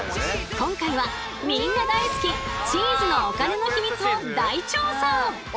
今回はみんな大好きチーズのお金のヒミツを大調査！